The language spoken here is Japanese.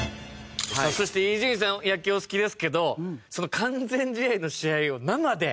そして伊集院さん野球お好きですけどその完全試合の試合を生で？